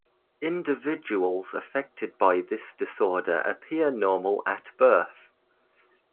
Individuals affected by this disorder appear normal at birth.